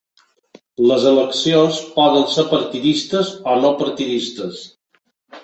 Les eleccions poden ser partidistes o no partidistes.